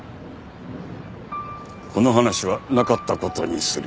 この話はなかった事にする。